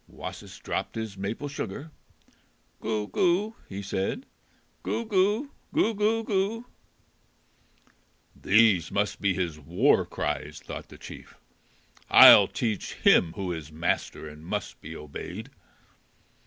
Wasis dropped his maple sugar. "Goo, goo!" he said; "Goo, goo! Goo, goo, goo!" "These must be his war cries!" thought the chief. "I'll teach him who is master and must be obeyed."